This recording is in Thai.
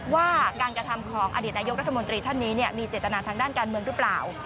ว่าการกระทำของอดีตนายกรัฐมนตรีท่านนี้มีเจตนาทางด้านการเมืองหรือเปล่า